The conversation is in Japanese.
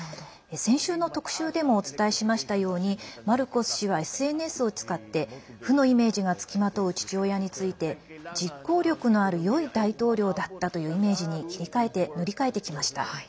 先週の特集でもお伝えしましたようにマルコス氏はＳＮＳを使って負のイメージが付きまとう父親について、実行力のあるよい大統領だったというイメージに切り替えて塗り替えてきました。